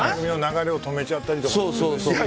流れを止めちゃったりとか。